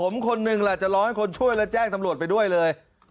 อาจจะร้องให้คนช่วยแล้วแจ้งตำรวจไปด้วยเลย